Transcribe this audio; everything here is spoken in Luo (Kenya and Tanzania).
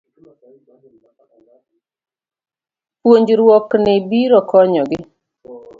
Puonjruokni biro konyogi